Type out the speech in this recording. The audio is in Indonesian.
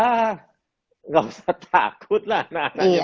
tidak usah takutlah anak anaknya